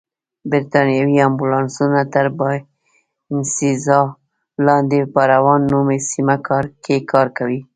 بریتانوي امبولانسونه تر باینسېزا لاندې په راون نومي سیمه کې کار کوي.